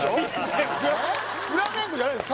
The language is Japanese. フラメンコじゃないです